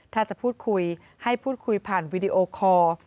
ถ้าจะพูดคุยให้พูดคุยผ่านวีดีโอคอร์